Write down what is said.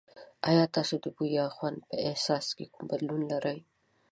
ایا تاسو د بوی یا خوند په احساس کې کوم بدلون لرئ؟